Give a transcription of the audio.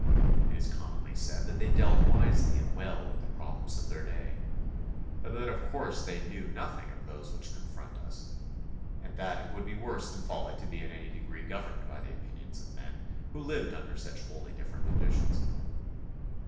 It is commonly said that they dealt wisely and well with the problems of their day, but that of course they knew nothing of those which confront us, and that it would be worse than folly to be in any degree governed by the opinions of men who lived under such wholly dif ferent conditions.